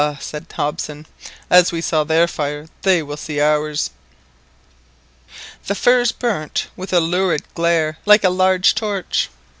said Hobson, "as we saw their fire, they will see ours!" The firs burnt with a lurid glare like a large torch.